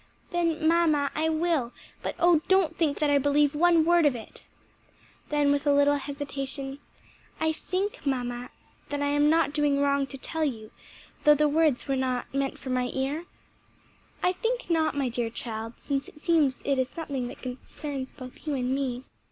"Then mamma, I will; but oh don't think that I believe one word of it all." Then with a little hesitation. "I think mamma, that I am not doing wrong to tell you, though the words were not meant for my ear?" "I think not, my dear child, since it seems it is something that concerns both you and me."